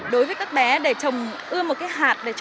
đối với các bé để trồng ưa một cái hạt